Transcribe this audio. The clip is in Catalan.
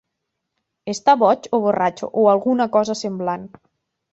Està boig o borratxo o alguna cosa semblant.